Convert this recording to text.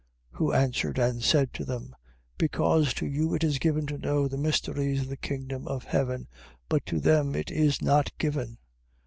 13:11. Who answered and said to them: Because to you it is given to know the mysteries of the kingdom of heaven: but to them it is not given.